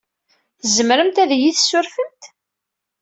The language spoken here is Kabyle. Tzemremt ad iyi-tessurfemt?